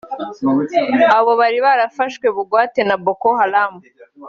Abo bari barafashwe bugwate na Boko Haram